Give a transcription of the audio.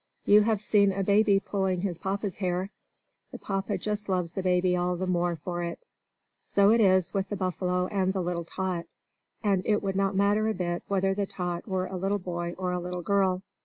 You have seen a baby pulling his Papa's hair. The Papa just loves the baby all the more for it. So it is with the buffalo and the little tot. And it would not matter a bit whether the tot were a little boy or a little girl.